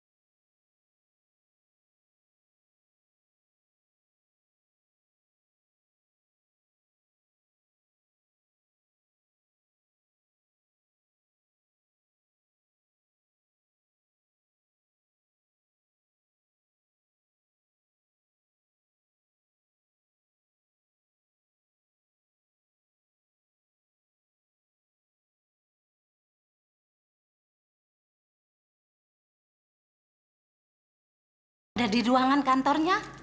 ada di ruangan kantornya